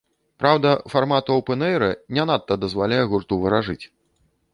Праўда, фармат оўпэн-эйра не надта дазваляе гурту варажыць.